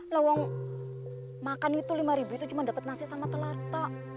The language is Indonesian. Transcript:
lawang makan itu lima ribu itu cuma dapet nasi sama telur toh